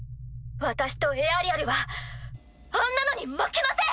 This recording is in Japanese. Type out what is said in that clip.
私とエアリアルはあんなのに負けません！